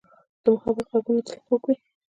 د محبت ږغونه تل خوږ وي.